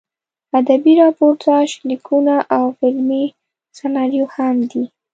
ادبي راپورتاژ لیکونه او فلمي سناریو هم دي.